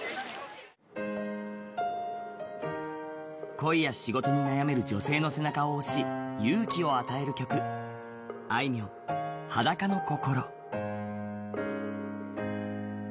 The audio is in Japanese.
恋や仕事に悩める女性の背中を押し勇気を与える曲あいみょん「裸の心」。